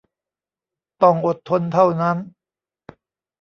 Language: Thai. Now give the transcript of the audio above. ต้องอดทนเท่านั้น